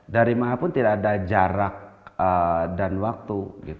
dari mana pun tidak ada jarak dan waktu